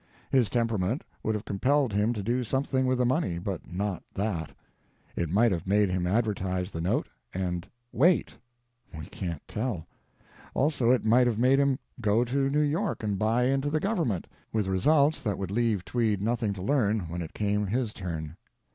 His temperament would have compelled him to do something with the money, but not that. It might have made him advertise the note—and WAIT. We can't tell. Also, it might have made him go to New York and buy into the Government, with results that would leave Tweed nothing to learn when it came his turn.